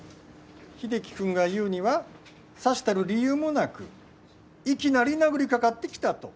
英樹君が言うにはさしたる理由もなくいきなり殴りかかってきたと。